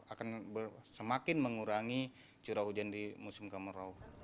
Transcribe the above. akan semakin mengurangi curah hujan di musim kemarau